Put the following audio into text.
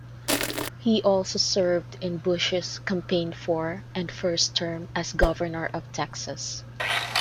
He also served in Bush's campaign for and first term as Governor of Texas.